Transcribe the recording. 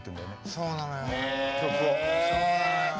そうなのよ。